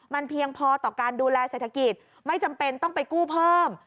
มันเพียงพอต่อการดูแลเศรษฐกิจไม่จำเป็นต้องไปกู้เพิ่ม